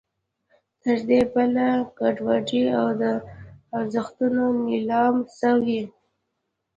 تر دې بله ګډوډي او د ارزښتونو نېلام څه وي.